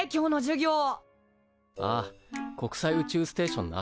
ああ国際宇宙ステーションな。